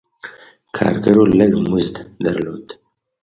کارګرو لږ مزد درلود.